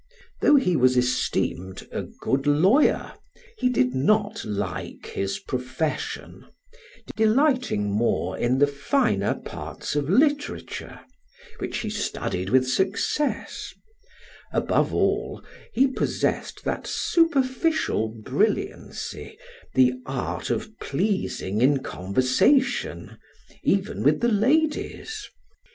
Though he was esteemed a good lawyer, he did not like his profession, delighting more in the finer parts of literature, which he studied with success: above all, he possessed that superficial brilliancy, the art of pleasing in conversation, even with the ladies.